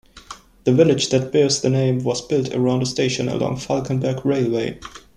The village that bears the name was built around a station along Falkenberg railway.